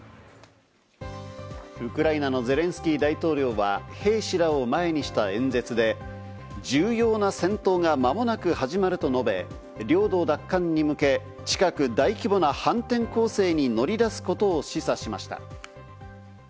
ウクライナのゼレンスキー大統領は兵士らを前にした演説で、重要な戦闘が間もなく始まると述べ、領土奪還に向け、近く大規模な反転攻勢に乗り出すことを示唆しました。